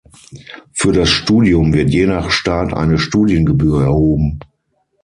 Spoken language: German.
Für das Studium wird je nach Staat eine Studiengebühr erhoben.